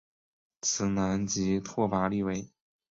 此男即拓跋力微。